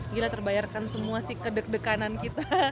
gila terbayarkan semua sih kedeg dekanan kita